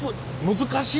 難しい！